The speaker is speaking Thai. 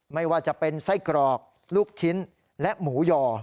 ไม่ว่าจะเป็นไส้กรอกลูกชิ้นและหมูย่อ